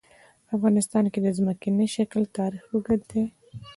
په افغانستان کې د ځمکنی شکل تاریخ اوږد دی.